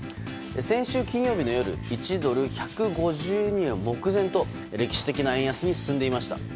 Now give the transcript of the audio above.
先週金曜日の夜１ドル＝１５２円目前と歴史的な円安に進んでいました。